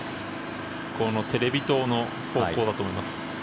テレビ塔の方向だと思います。